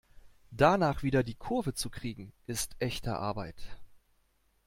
Danach wieder die Kurve zu kriegen ist echte Arbeit!